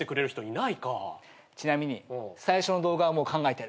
ちなみに最初の動画はもう考えてある。